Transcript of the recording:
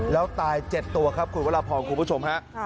แล้วตาย๗ตัวครับคุณวรพรคุณผู้ชมฮะ